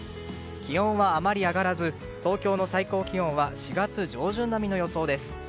気温はあまり上がらず東京の最高気温は４月上旬並みの予想です。